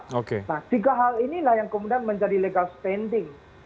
nah tiga hal inilah yang kemudian menjadi legal standing